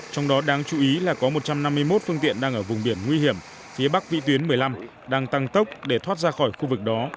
trong đó đáng chú ý là có một trăm năm mươi một phương tiện đang ở vùng biển nguy hiểm phía bắc vị tuyến một mươi năm đang tăng tốc để thoát ra khỏi khu vực đó